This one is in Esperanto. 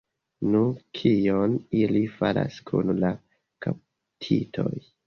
Nu, kion ili faras kun la kaptitoj?